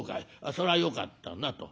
それはよかったな』と。